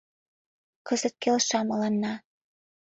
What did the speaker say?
Кызыт келша мыланна.